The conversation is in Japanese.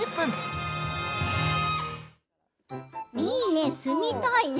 いいね、住みたいね。